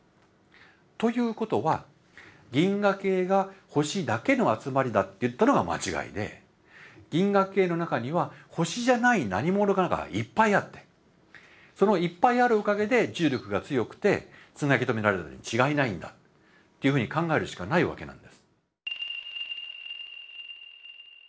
ということは銀河系が星だけの集まりだっていったのが間違いで銀河系の中には星じゃない何ものかがいっぱいあってそのいっぱいあるおかげで重力が強くてつなぎ止められてるに違いないんだっていうふうに考えるしかないわけなんです。